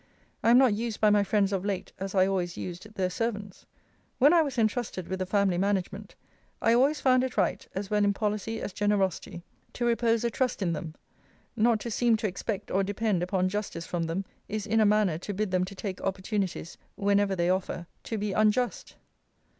I am not used by my friends of late as I always used their servants. When I was intrusted with the family management, I always found it right, as well in policy as generosity, to repose a trust in them. Not to seem to expect or depend upon justice from them, is in a manner to bid them to take opportunities, whenever they offer, to be unjust.